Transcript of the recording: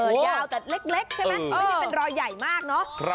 ยาวแต่เล็กใช่ไหมไม่ได้เป็นรอยใหญ่มากเนอะ